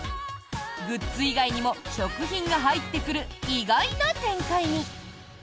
グッズ以外にも食品が入ってくる意外な展開に！